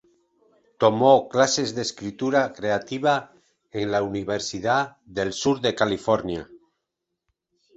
Tomó clases de escritura creativa en la Universidad del Sur de California.